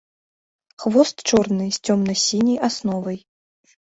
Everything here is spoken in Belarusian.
Хвост чорны з цёмна-сіняй асновай.